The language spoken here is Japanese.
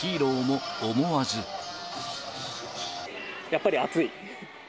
やっぱり暑い。